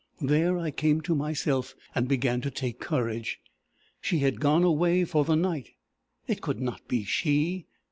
There I came to myself, and began to take courage. She had gone away for the night: it could not be she!